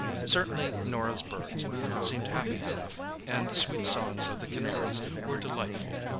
Certainly Norah's birds seemed happy enough, and the sweet songs of the canaries were delightful.